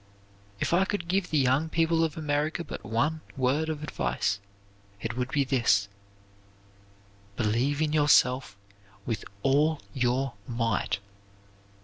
If I could give the young people of America but one word of advice, it would be this "_Believe in yourself with all your might.